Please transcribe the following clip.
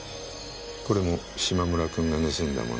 これも嶋村君が盗んだもの？